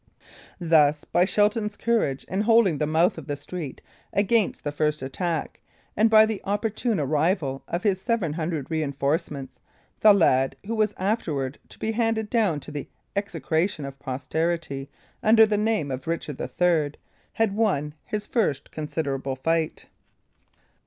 Thus, by Shelton's courage in holding the mouth of the street against the first attack, and by the opportune arrival of his seven hundred reinforcements, the lad, who was afterwards to be handed down to the execration of posterity under the name of Richard III., had won his first considerable fight.